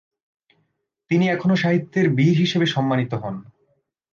তিনি এখনও সাহিত্যের বীর হিসেবে সম্মানিত হন।